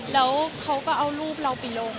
แล้วเขาก็เอารูปเราไปลง